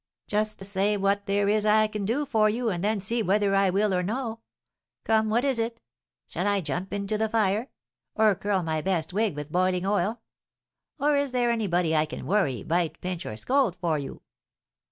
Just say what there is I can do for you, and then see whether I will or no. Come, what is it? Shall I jump into the fire? or curl my best wig with boiling oil? or is there anybody I can worry, bite, pinch, or scold for you?